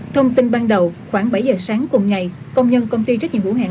thông tin ban đầu khoảng bảy giờ sáng cùng ngày công nhân công ty trách nhiệm vũ hạn